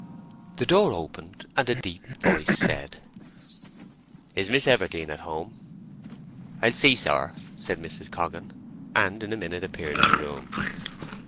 The door opened, and a deep voice said— "Is Miss Everdene at home?" "I'll see, sir," said Mrs. Coggan, and in a minute appeared in the room.